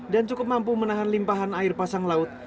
dan cukup mampu menahan limpahan air laut